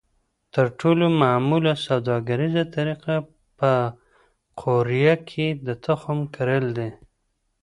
تر ټولو معموله سوداګریزه طریقه په قوریه کې د تخم کرل دي.